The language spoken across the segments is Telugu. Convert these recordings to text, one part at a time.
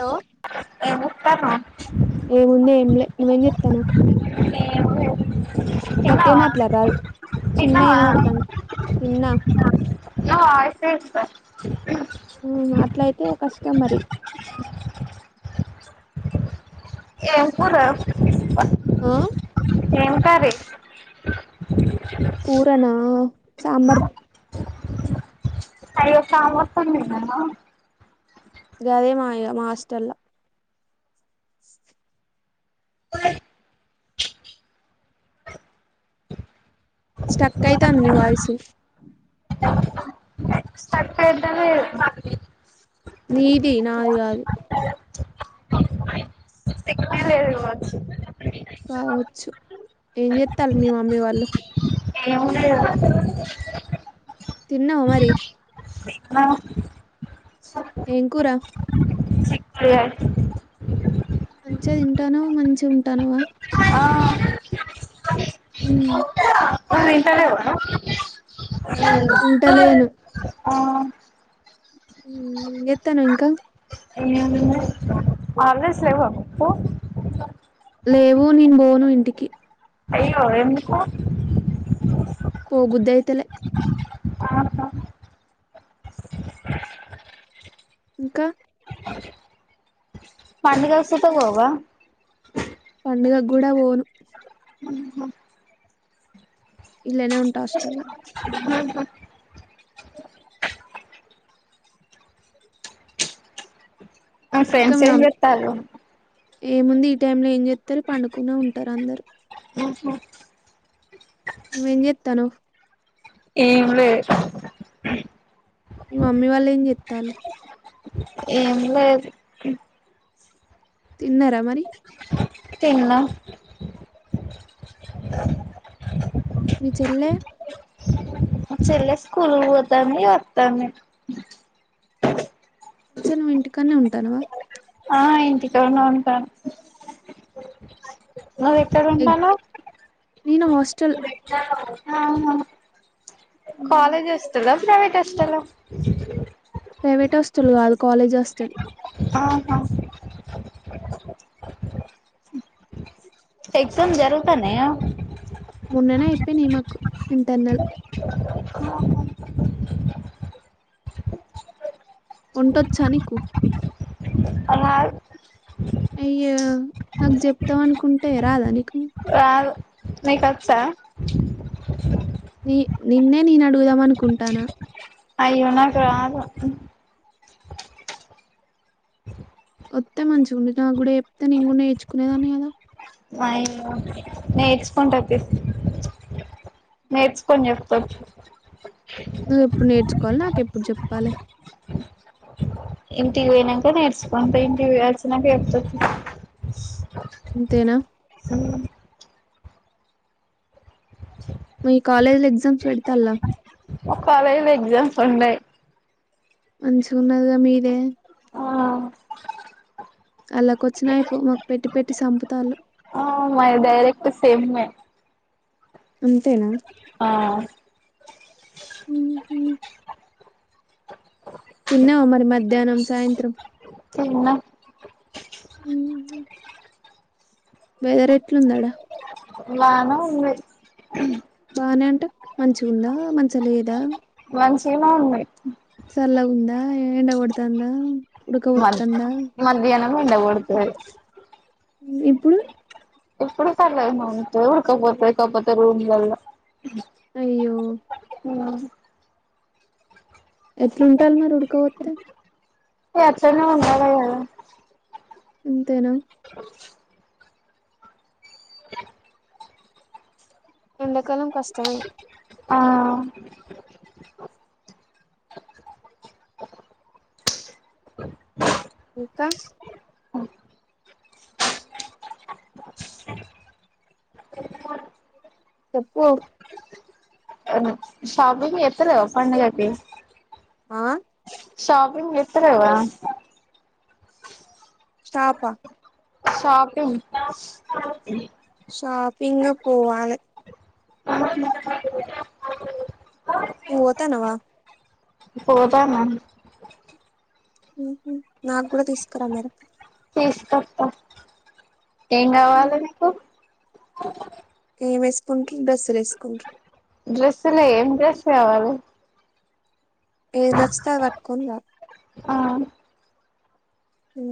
హలో ఏం చేస్తున్నావ్ ఏముందె ఏం లే నువ్వేం చేత్తాన్నవ్. ఎం లేదు తిన్నావా మాట్లాడరాదు తిన్నావా చిన్నగా తిన్నా వినపడతాంది తిన్నా నా వాయిస్ ఎ ఇస్తా మ్ అట్ల అయితే కష్టం మరి ఎంకూర ఆ ఏం కర్రీ. కూరనా సాంబార్. అయ్యో సామా పండు తిందమ్మా. గదే మా అయ్యా మా హస్టల్లా. స్టక్ అయితోంది నీ వాయిసు. స్టక్ అయితలేదు [unintelligible] నీది నాది కాదు. రివార్డ్స్. కావచ్చు ఏం చెస్తాంల్లు మీ మమ్మీ వాళ్ళు. [unintelligible] తిన్నావ మరి. ఆహ్. ఏం కూరా. [unintelligible] మంచిగా తింటునవ్ మంచిగ ఉంటునవా. కాయ ఆ ఉమ్. అ ఇంట్లాలెవా నువ్వు. ఉంటాలేను. ఆ ఉమ్ ఎంజేత్తునవ్ ఇంకా. ఏం హాలిడేస్ లేవా మీకు. లేవు నేను పోను ఇంటికి. అయ్యో ఎందుకు. పోబుద్ధేయితాలే. ఆహా ఇంకా. పండగ వస్తుంటే పోవ. పండుగకు కూడా వోను. ఇల్లనే ఉంటా హాస్టల్లా. నా ఇంకా ఫ్రెండ్స్ మీ ఏం మమ్మీ చేత్తన్లూ. ఏముంది ఈ టైమ్ లో ఏం చెత్తరు పండుకునే ఉంటారు అందరు. నువ్వే ఎంజెత్తానవ్. ఏం లే. మీ మమ్మీ వాళ్ళు ఏం చెత్తార్లు. ఏం లేదు. తిన్నారా మరి. తిన్నాం. మీ చెల్లె. మా చెల్లె స్కూల్ కు పోతాంది వస్తాంది. కొంచన్ మీ ఇంటికనే ఉంటానువా. ఆహ్ ఇంటి కానే ఉంటాను. మరి ఎక్కడ ఎగ్ ఉంటాన్నవ్. నేను హాస్టల్. ఆహ్. కాలేజ్ హాస్టలా ప్రైవేట్ హాస్టలా. ప్రైవేట్ హాస్టల్ కాదు కాలేజ్ హాస్టల్. ఆహా ఆహ్. ఎగ్జామ్ జరుగుతున్నాయా. మొన్ననే అయిపోయినాయి మాకు ఇంటర్నల్. [inaudible] వంటోచ్చా నీకు. రాదు అయ్యో నాకు చెప్తావ్ అనుకుంటే రాదా నీకు. రాదు నీకొచ్చా. ని నిన్నే నేను అడుగుదాం అనుకోంటానా. అయ్యో నాకు రాదు. ఒతే మంచిగా ఉంది నా కూడా చెప్తే నేను కూడా నేర్చుకునేదాన్ని కదా. నేర్చుకుంటుంటి. నేర్చుకొని చెప్తుంటీ. నువ్వేప్పుడు నేర్చుకోవాలి నాకెప్పుడు చెప్పాలె. ఇంటికి వోయినంక నేర్సుకొని ఇంటికి పోయి ఒచ్చినాంక చెప్తుంటి. అంతేనా. మీ కాలేజీలా ఎగ్జామ్స్ పెడ్తల. ఒకవేళ ఎగ్జామ్స్ ఉన్నాయి. మంచిగున్నది గదా మిదే. ఆ అండ్లకి వచ్చినాయిపోవు మాకు పెట్టి పెట్టి సంపుతాంలు. ఆహ్ మది డైరెక్ట్ సేమే. అంతేనా. ఆహ్. ఉమ్ ఉమ్. తిన్నావ మరి మధ్యాహ్నం సాయంత్రం. తిన్నా. ఊహు. వెదర్ ఎట్లుంది ఆడ. బానే ఉంది. బానే అంటె మంచిగుందా మంచిగా లేదా. మంచిగానే ఉంది. సల్లగా ఉందా ఎండ కొడతాందా. మద్ ఉడాకావోతందా మధ్యాహ్నం ఎండ కొడుతది ఇప్పుడు. ఇప్పుడు పర్లేదు మా ఉడకపోతాది కాకపోతే రూంలాల. అయ్యో. ఎట్లువుంటరు మరి ఉడకవోతే. ఇ అట్లనే ఉండాలే కదా. అంతేనా. ఎండకాలం కష్టమే. ఆ ఇంకా. చెప్పు. షాపింగ్ చేతలేవా పండగకి. ఆహ్. షాపింగ్ చేతలేవా. షాపా. షాపింగ్. షాపింగ్ పోవాలే. [inaudible] నువ్ వొతనవ పోతనన్ నాకు కూడా తిస్కారామరి తీస్కోత్తా. ఏం గావాలే నికు. నువెస్కుంట్రు డ్రెస్స్లెస్కుంట్రు. డ్రెస్సులే ఏం డ్రెస్ గావాలి. ఏదనచ్చితే అవట్కూనరా ఆ మ్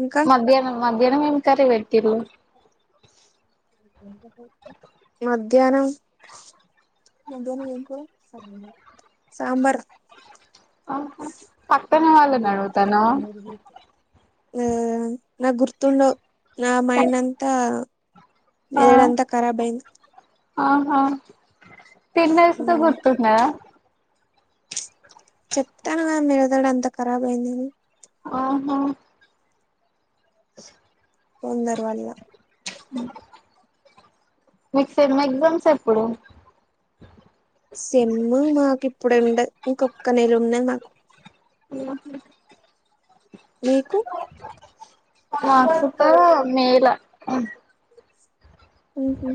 ఇంకా మధ్యాహ్నం మధ్యాహ్నం మేం కర్రీ వెట్టిర్రు మధ్యాహ్నం సాంబార్ ఆహా పక్కన వాళ్ళనడుగుతన్నవ్ ఆ నాగుర్తుండవ్ నా మైడ్ అంతా ఆ ఏడంతా కరాబయింది ఆహా తిన్నది సుత ఉమ్. గుర్తుండదా చెప్తా లె మెదడంత కరాబయింది అని ఆహా కొందరివల్ల మిక్ సెమ్ ఎగ్జామ్స్ ఎప్పుడు సెమ్మ్ మాకిప్పుడుండయ్ ఇంకొక్క నెలున్నది మాకు మీకు మాకుకొ మే లా ఉమ్ హ్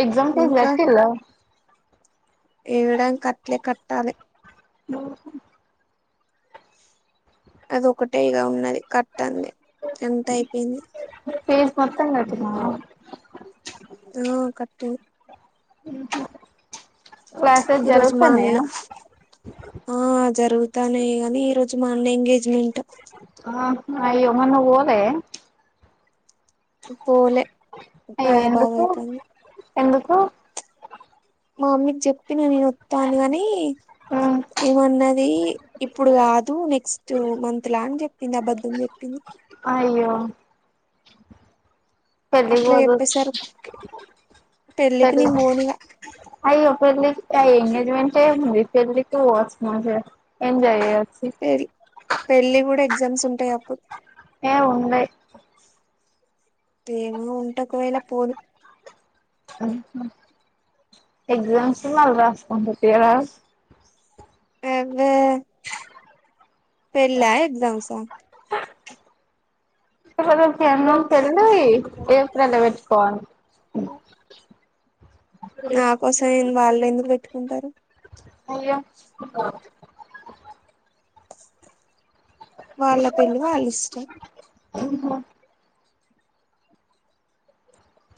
ఎగ్జామ్స్ ఫీజ్ గట్టిల్లా ఎడాంక్ కట్లే కట్టాలే అదొకటే ఇగ ఉన్నది కట్టల్నే ఎంతైపోయింది ఫీజ్ మొత్తం గట్టినవా ఆ కట్టి క్లాసెస్ ఈ రోజు మా జరుగుతాన్నయా అన్న ఆ జరుగుతాన్నయ్ గాని ఈ రోజు మా అన్న ఎంగేజ్మెంట్ ఆ అయ్యే మరి నువ్ పోలె పోలే అయ్యో అదే ఎందుకు బాధతంది ఎందుకు మా మమ్మీక్జెప్పిన నేనొత్తా అనీ గనీ ఉమ్ ఏమన్నదీ ఇప్పుడు గాదు నెక్స్ట్ మంత్ లా అన్ జేప్పింది అబద్ధం జేప్పింది అయ్యో పెళ్లిక్ అట్లా పొదువు చెప్పేసరికి పెళ్ళికి నేనపోనిగా అయ్యే పెళ్లికి ఎంగేజమెంట్ ఏ మరీ పెళ్ళికి వోచ్చు మంచిగ ఎంజాయ్ జేయేచ్ పెళ్లి గుడ ఎగ్జామ్స్ ఉంటయప్పుడు ఏ ఉండయ్ ఏమో ఉంటేకవేళ పోను ఎగ్జామ్స్ మల్రాస్కుందు తియ్యరాదు ఆబ్బె పెళ్లా ఎగ్జామ్స్ ఆ మీ అన్న పెళ్లి ఏప్రెల్ల వెట్టుకోవాలి ఇప్పుడు నా కోసం ఏ వాళ్లెందుకు పెట్టుకుంటరు అయ్యో వాళ్ళ పెళ్లి వాళ్ళ ఇష్టం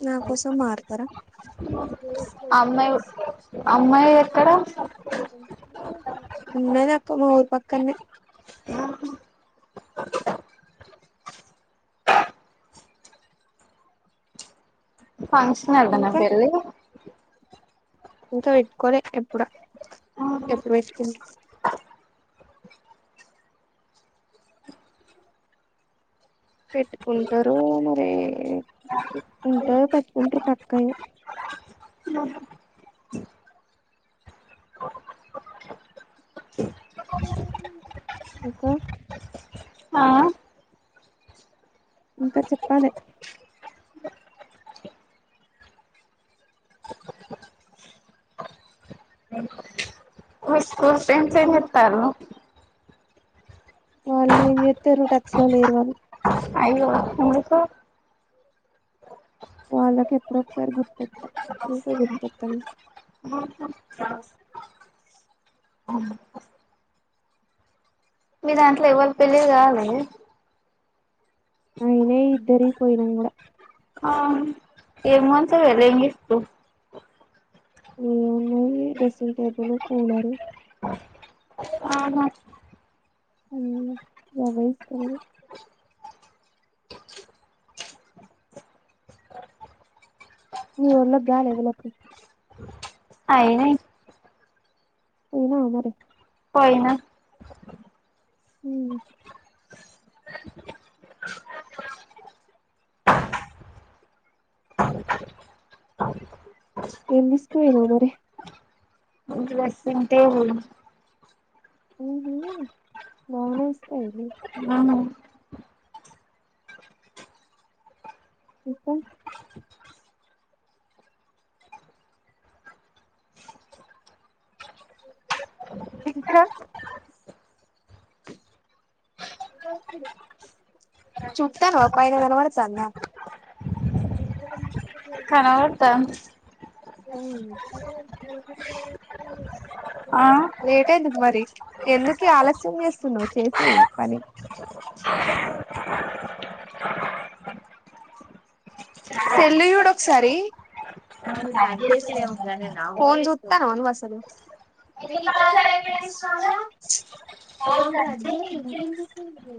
నా కోసం మారతారా అమ్మాయి అమ్మాయి ఎక్కడ ఉన్నదక్క మా ఊర్ పక్కనే ఫంక్షన్ హలోన ఇంకా పెళ్లి ఇంకా వెట్టుకోలే ఎప్పుడ ఎప్పుడు వెట్కుంట్ర్ పెట్టుకుంటారు మరీ ఏమో ఉంటే పెట్టుకుంటారు పక్కయిగా తిన్నావా ఇంకా ఆ ఇంకా చెప్పాలె మీ స్కూల్ ఫ్రెండ్స్ ఏం చెప్తారు వాళ్ళు ఏం చెతారు టచ్ లో లేరు వాళ్ళు అయ్యో ఎందుకు వాళ్ళకి ఎపుడో ఒకసారి గుర్తొత ఇంకా గుర్తుకొతాను మీ దాంట్లో ఎవల్ పెళ్లి కాలె అయినయ్ ఇద్దరియ్ పోయినం కూడా ఎం మంత్స్ ఎం చేస్తావు ఎం ఉన్నాయి డ్రెస్సింగ్ టేబుల్ కూలరు ఆహా అ గావే ఇస్తారు మీ వొళ్ళకి గాలేధులకు ఐనాయి పోయినవా మరీ పోయిన మ్ ఎం తీసుకుపోయినావు మరీ డ్రీసింగ్ టేబుల్ మ్ మ్మ్మ్ బానే తీసుక పోయినవు హ ఇంకా ఇంకా చూతన్నావా పైన్న కనపడతాందా ఎక్కడ కనిపితేలేదు కనపడతాంది ఆ లేట్ ఎందుకు మరీ ఎందుకే ఆలస్యం చేస్తునావు చేసే పని సెల్లు సూడు ఒక సారి ఫోన్ చూస్ వత్తానవా అసలు ఫోన్ కట్ చెయ్ ఇంకెంతసేపు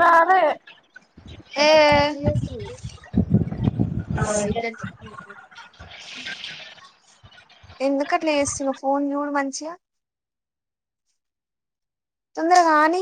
రాలే ఏ ఎ ఇద్దరి చెప్పింది చై ఎందుకట్ల చేస్తున్నావ్ ఫోన్ చూడు మంచిగా తొందరగా కని